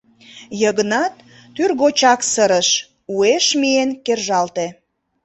Йыгнат тӱргочак сырыш, уэш миен кержалте.